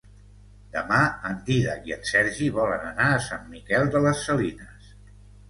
Demà en Dídac i en Sergi volen anar a Sant Miquel de les Salines.